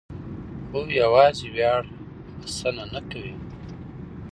خو یوازې ویاړ بسنه نه کوي.